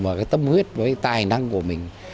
và cái tâm huyết với tài năng của mình